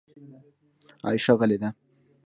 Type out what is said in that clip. عایشه غلې ده .